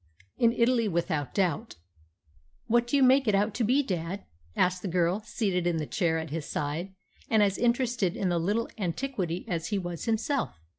In Italy, without doubt." "What do you make it out to be, dad?" asked the girl, seated in the chair at his side and as interested in the little antiquity as he was himself.